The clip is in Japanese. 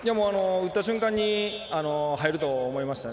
打った瞬間に入ると思いました。